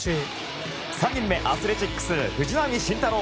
３人目アスレチックス、藤浪晋太郎。